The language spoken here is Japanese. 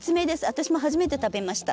私も初めて食べました。